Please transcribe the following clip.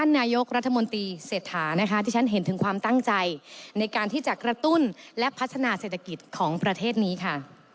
นายกรัฐมนตรีเศรษฐานะคะที่ฉันเห็นถึงความตั้งใจในการที่จะกระตุ้นและพัฒนาเศรษฐกิจของประเทศนี้ค่ะ